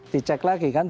dicek lagi kan